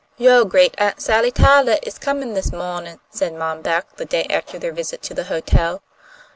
"Yo' great aunt Sally Tylah is comin' this mawnin'," said Mom Beck, the day after their visit to the hotel.